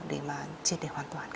để mà triệt để hoàn toàn cả